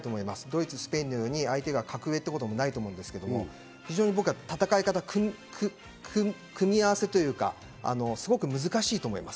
ドイツ、スペインのように相手が格上ってこともないと思うんですけど、非常に僕は戦い方、組み合わせというか、すごく難しいと思います。